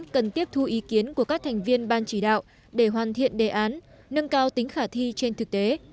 cần tiếp thu ý kiến của các thành viên ban chỉ đạo để hoàn thiện đề án nâng cao tính khả thi trên thực tế